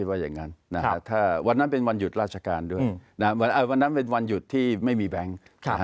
วันนั้นเป็นวันหยุดที่ไม่มีแบงค์